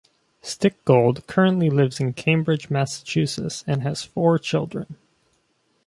Stickgold currently lives in Cambridge, Massachusetts and has four children.